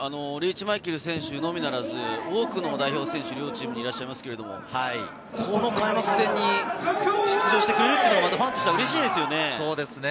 リーチ・マイケル選手のみならず多くの代表選手、両チームにいらっしゃいますけれど、この開幕戦に出場してくれるっていうのがファンとしては、うれしいですよね。